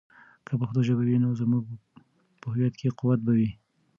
که پښتو ژبه وي، نو زموږ په هویت کې قوت به وي.